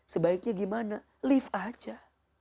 sebaiknya gimana leave aja